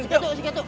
sikat tuh sikat tuh